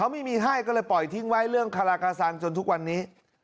ไม่มีให้ก็เลยปล่อยทิ้งไว้เรื่องคารากาสังจนทุกวันนี้